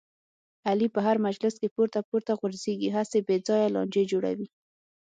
علي په هر مجلس کې پورته پورته غورځېږي، هسې بې ځایه لانجې جوړوي.